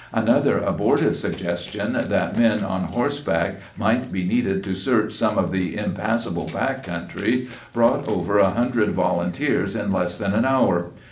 Another abortive suggestion that men on horseback might be needed to search some of the impassable back country brought over a hundred volunteers in less than an hour.